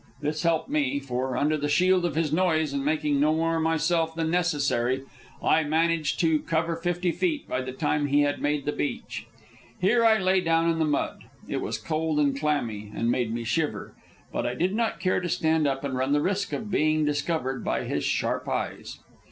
This helped me, for, under the shield of his noise and making no more myself than necessary, I managed to cover fifty feet by the time he had made the beach. Here I lay down in the mud. It was cold and clammy, and made me shiver, but I did not care to stand up and run the risk of being discovered by his sharp eyes.